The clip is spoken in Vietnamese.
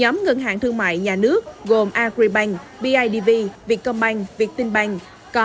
và các ngân hàng thương mại nhà nước gồm agribank bidv vietcombank viettingbank